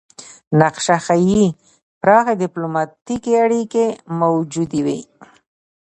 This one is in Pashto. نقشه ښيي پراخې ډیپلوماتیکې اړیکې موجودې وې